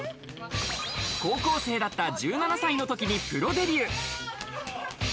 高校生だった１７歳のときにプロデビュー。